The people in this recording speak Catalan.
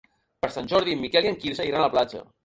Per Sant Jordi en Miquel i en Quirze iran a la platja.